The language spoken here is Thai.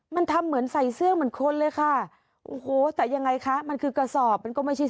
มันทำเหมือนใส่เสื้อเหมือนคนเลยค่ะโอ้โหแต่ยังไงคะมันคือกระสอบมันก็ไม่ใช่